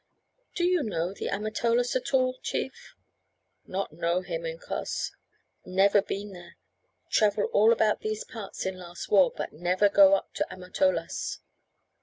"Do you know the Amatolas at all, chief?" "Not know him, incos; never been there; travel all about these parts in last war, but never go up to Amatolas."